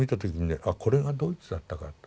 あこれがドイツだったかと。